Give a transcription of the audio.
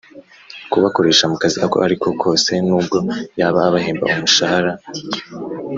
kubakoresha mu kazi ako ari ko kose n'ubwo yaba abahemba umushahara